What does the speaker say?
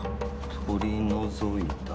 「取り除いた」。